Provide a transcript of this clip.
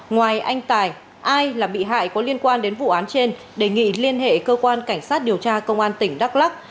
ngoài anh tài ai là bị hại có liên quan đến vụ án trên đề nghị liên hệ cơ quan cảnh sát điều tra công an tỉnh đắk lắc